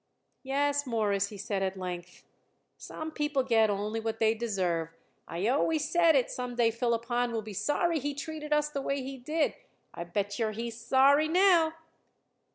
"Yes, Mawruss," he said at length. "Some people get only what they deserve. I always said it, some day Philip Hahn will be sorry he treated us the way he did. I bet yer he's sorry now."